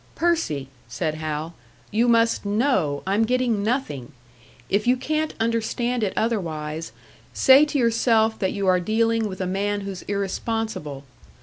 "Percy," said Hal, "you must know I'm getting nothing! If you can't understand it otherwise, say to yourself that you are dealing with a man who's irresponsible.